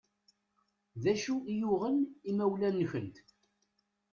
D acu i yuɣen imawlan-nkent?